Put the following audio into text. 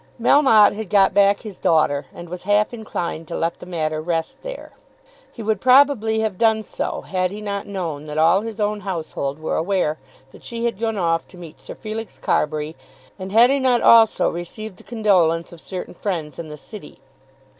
Melmotte had got back his daughter, and was half inclined to let the matter rest there. He would probably have done so had he not known that all his own household were aware that she had gone off to meet Sir Felix Carbury, and had he not also received the condolence of certain friends in the city.